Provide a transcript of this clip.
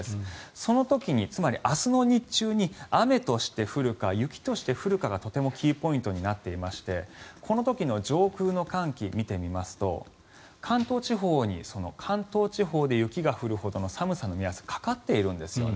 その時に、つまり明日の日中に雨として降るか雪として降るかがとてもキーポイントになっていましてこの時の上空の寒気を見てみますと関東地方で雪が降るほどの寒さの目安かかっているんですよね。